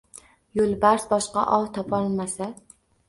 Yo’lbars boshqa ov topolmasa